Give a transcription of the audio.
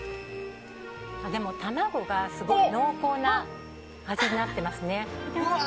でも、玉子がすごく濃厚な味になっていますね。